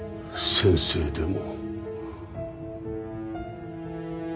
先生でも。